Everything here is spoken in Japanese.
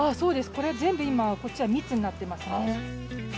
これ全部今こっちは蜜になってますね。